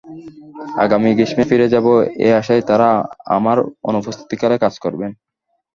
আগামী গ্রীষ্মে ফিরে যাব, এই আশায় তাঁরা আমার অনুপস্থিতিকালে কাজ করবেন।